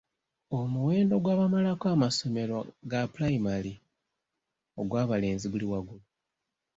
Omuwendo gw'abamalako amasomero ga pulayimale ogw'abalenzi guli waggulu.